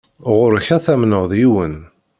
Ɣuṛ-k ad tamneḍ yiwen.